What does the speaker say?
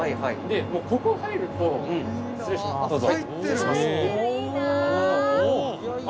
ここ入ると失礼します。